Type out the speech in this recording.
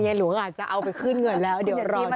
หลวงอาจจะเอาไปขึ้นเงินแล้วเดี๋ยวรอ